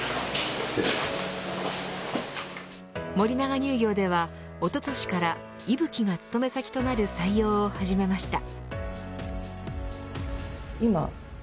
森永乳業では、おととしからＩＢＵＫＩが勤め先となる採用を始めました。